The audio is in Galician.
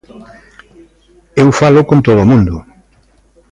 Eu falo con todo o mundo.